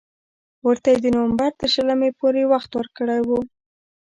ورته یې د نومبر تر شلمې پورې وخت ورکړی وو.